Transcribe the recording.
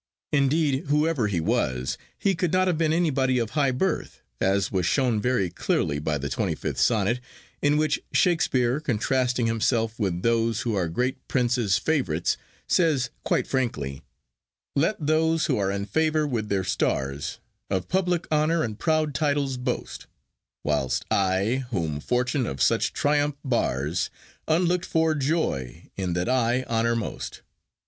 Indeed, whoever he was, he could not have been anybody of high birth, as was shown very clearly by the 25th Sonnet, in which Shakespeare contrasting himself with those who are "great princes' favourites," says quite frankly— Let those who are in favour with their stars Of public honour and proud titles boast, Whilst I, whom fortune of such triumph bars, Unlook'd for joy in that I honour most.